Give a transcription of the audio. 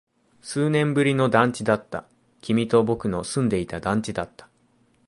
数年ぶりの団地だった。君と僕の住んでいた団地だった。